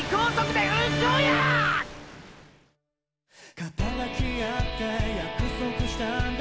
「肩抱き合って約束したんだ